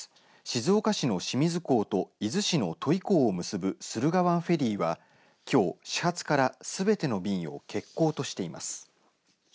静岡市の清水港と伊豆市の土肥港を結ぶ駿河湾フェリーはきょう始発からすべての便を欠航としてます。